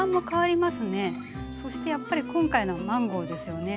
そしてやっぱり今回のマンゴーですよね。